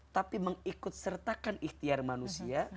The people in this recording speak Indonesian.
tapi mengikut sertakan ikhtiar manusia